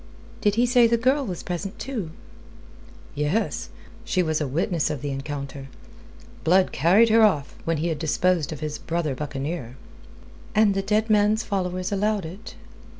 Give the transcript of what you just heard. Did he say the girl was present, too?" "Yes. She was a witness of the encounter. Blood carried her off when he had disposed of his brother buccaneer." "And the dead man's followers allowed it?"